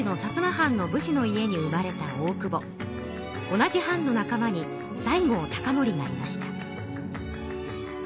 同じ藩の仲間に西郷隆盛がいました。